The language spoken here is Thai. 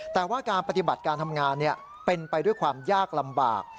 แต่ว่าการปฏิบัติการทำงานเป็นไปด้วยความยากลำบาก